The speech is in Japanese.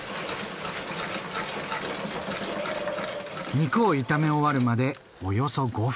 肉を炒め終わるまでおよそ５分。